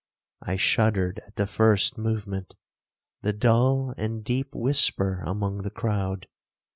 I shuddered at the first movement—the dull and deep whisper among the crowd.